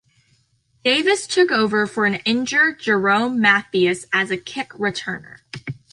Davis took over for an injured Jerome Mathis as a kick returner.